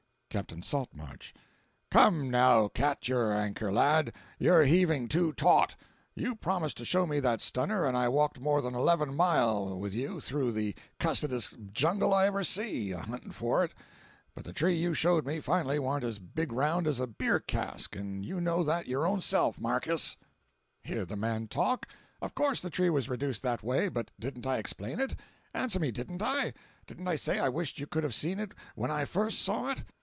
Captain Saltmarsh.—"Come, now, cat your anchor, lad—you're heaving too taut. You promised to show me that stunner, and I walked more than eleven mile with you through the cussedest jungle I ever see, a hunting for it; but the tree you showed me finally warn't as big around as a beer cask, and you know that your own self, Markiss." 553.jpg (48K) "Hear the man talk! Of course the tree was reduced that way, but didn't I explain it? Answer me, didn't I? Didn't I say I wished you could have seen it when I first saw it?